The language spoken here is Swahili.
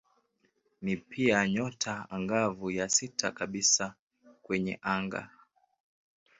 Ni pia nyota angavu ya sita kabisa kwenye anga.